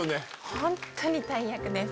本当に大役です。